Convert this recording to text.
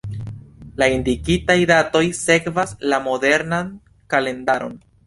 La indikitaj datoj sekvas la modernan kalendaron.